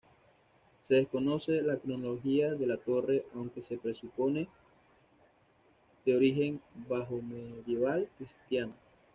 Se desconoce la cronología de la torre, aunque se presupone de origen bajomedieval cristiano.